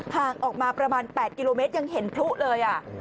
ห่างออกมาประมาณ๘กิโลเมตรยังเห็นพลุเลย